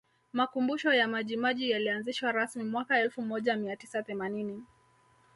Makumbusho ya Majimaji yalianzishwa rasmi mwaka elfu moja mia tisa themanini